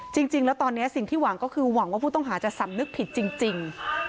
จริงแล้วตอนนี้สิ่งที่หวังก็คือหวังว่าผู้ต้องหาจะสำนึกผิดจริง